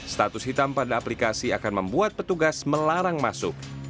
status hitam pada aplikasi akan membuat petugas melarang masuk